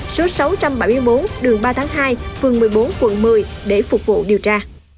số sáu trăm bảy mươi bốn đường ba tháng hai phường một mươi bốn quận một mươi để phục vụ điều tra